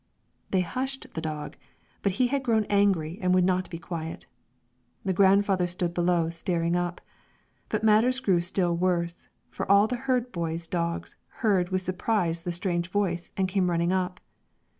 They hushed the dog, but he had grown angry and would not be quiet; the grandfather stood below staring up. But matters grew still worse, for all the herd boys' dogs heard with surprise the strange voice and came running up.